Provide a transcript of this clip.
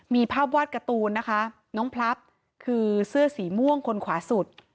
มีภาพวาดการ์ตูนนะคะน้องพลับคือเสื้อสีม่วงคนขวาสุด